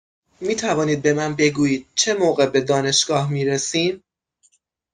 می توانید به من بگویید چه موقع به دانشگاه می رسیم؟